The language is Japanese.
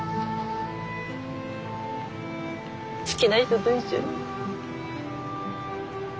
好きな人と一緒に。